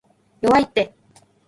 弱いって